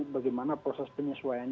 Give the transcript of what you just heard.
bagaimana proses penyesuaian